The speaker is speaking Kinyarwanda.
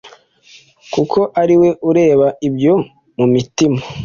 kuko ari We ureba ibyo mu mitima.